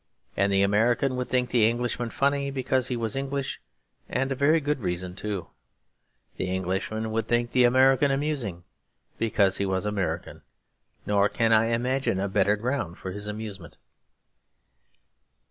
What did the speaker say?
And the American would think the Englishman funny because he was English; and a very good reason too. The Englishman would think the American amusing because he was American; nor can I imagine a better ground for his amusement.